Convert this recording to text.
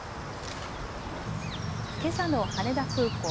けさの羽田空港。